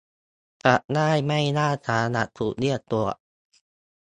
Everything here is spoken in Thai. จะได้ไม่ล่าช้าหากถูกเรียกตรวจ